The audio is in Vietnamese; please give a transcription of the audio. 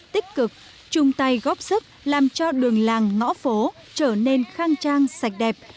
tích cực chung tay góp sức làm cho đường làng ngõ phố trở nên khang trang sạch đẹp